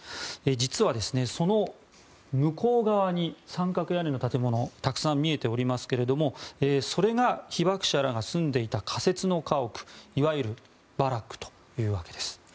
実は、その向こう側に三角屋根の建物がたくさん見えておりますがそれが被爆者らが住んでいた仮設の家屋いわゆるバラックというわけです。